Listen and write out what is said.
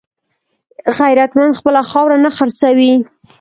غیرتمند خپله خاوره نه خرڅوي